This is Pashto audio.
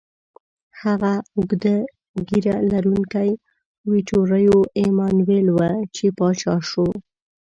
هغه اوږده ږیره لرونکی ویټوریو ایمانویل و، چې پاچا شو.